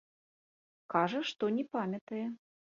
Кажа, што не памятае.